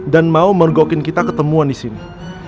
dan mau mergokin kita ketemuan disini